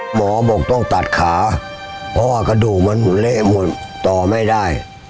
หมอบอกต้องตัดขาเพราะว่ากระดูกมันเละหมดต่อไม่ได้